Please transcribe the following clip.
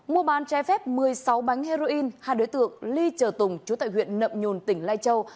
mùa bán trái phép một mươi sáu bánh heroin hai đối tượng ly trờ tùng chú tại huyện nậm nhôn tỉnh lai châu